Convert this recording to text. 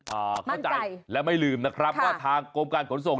มั่นใจและไม่ริมว่าทางกรมการขนส่ง